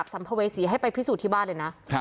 อยากจำภเวสีให้ไปพิสูจน์ที่บ้านเลยนะ